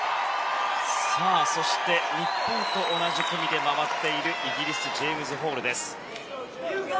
そして日本と同じ組で回っているイギリスジェームズ・ホールです。